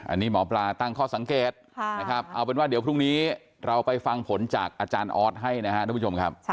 อันนี้หมอปลาตั้งข้อสังเกตนะครับเอาเป็นว่าเดี๋ยวพรุ่งนี้เราไปฟังผลจากอาจารย์ออสให้นะครับทุกผู้ชมครับ